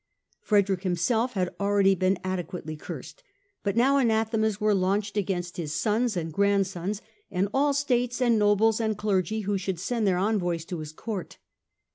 Frederick himself had already been adequately cursed, but now anathemas were launched against his sons and grandsons and all states and nobles and clergy who should send their envoys to his Court.